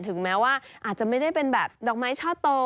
ถึงแม้ว่าอาจจะไม่ได้เป็นแบบดอกไม้ช่อโต